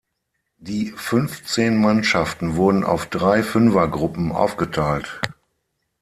Die fünfzehn Mannschaften wurden auf drei Fünfergruppen aufgeteilt.